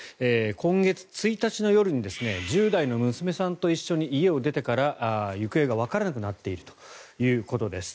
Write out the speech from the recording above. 今月１日の夜に１０代の娘さんと一緒に家を出てから行方がわからなくなっているということです。